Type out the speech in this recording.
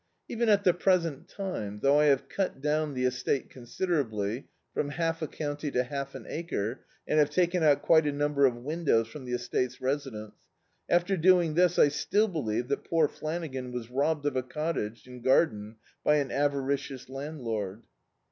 Even at the present time, thou^ I have cut down the estate considerably, from half a county to half an acre, and have taken out quite a number of win dows from the estate's residence — after doing this, I still believe that poor Flanagan was robbed of a cottage and garden by an avaricious landlord.